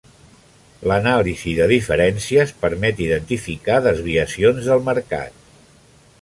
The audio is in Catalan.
L'anàlisi de diferències permet identificar desviacions del mercat.